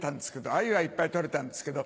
アユはいっぱい捕れたんですけど